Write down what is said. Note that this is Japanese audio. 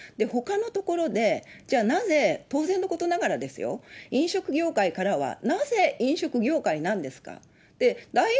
ほかのところで、じゃあ、なぜ、当然のことながら、飲食業界からは、なぜ飲食業界なんですかと。